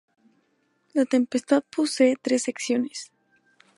La Tempestad posee tres secciones.